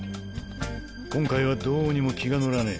今回はどうにも気が乗らねえ。